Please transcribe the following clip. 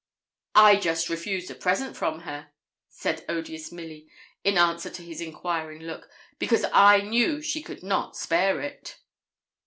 'I just refused a present from her,' said odious Milly, in answer to his enquiring look, 'because I knew she could not spare it.'